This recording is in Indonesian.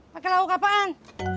pakai lauk apaan